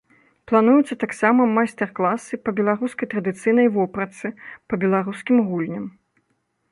Плануюцца таксама майстар-класы па беларускай традыцыйнай вопратцы, па беларускім гульням.